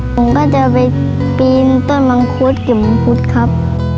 ผมก็จะไปปีนต้นมังคุดเก็บมังคุดครับ